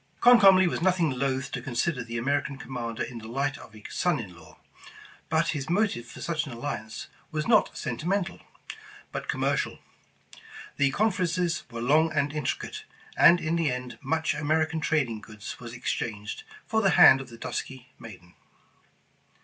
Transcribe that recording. Comcomly was nothing loath to consider the Ameri can commander in the light of a son in law, but his motive for such an alliance was not sentimental, but commercial. The conferences were long and intricate, and in the end much American trading goods was ex changed for the hand of the dusky maiden.